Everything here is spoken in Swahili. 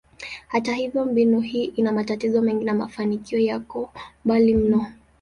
Hata hivyo, mbinu hii ina matatizo mengi na mafanikio yako mbali mno.